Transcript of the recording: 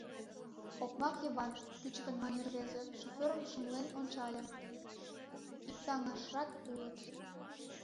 — Окмак Йыван, — кӱчыкын мане рвезе, шофёрым шымлен ончале: иктаҥашрак улыт.